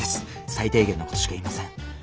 最低限のことしか言いません。